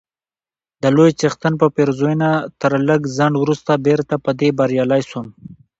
د لوی څښتن په پېرزوینه تر لږ ځنډ وروسته بیرته په دې بریالی سوم،